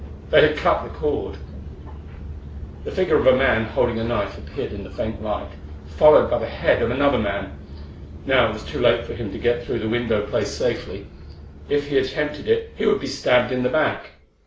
They had cut the cord! The figure of a man holding a knife appeared in the faint light, followed by the head of another man. Now it was too late for him to get through the window place safely; if he attempted it he would be stabbed in the back.